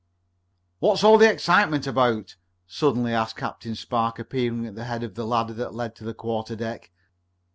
"] "What's all the excitement about?" suddenly asked Captain Spark, appearing at the head of the ladder that led to the quarterdeck.